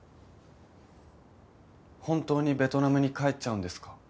本当にベトナムに帰っちゃうんですか？